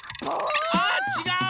あちがう！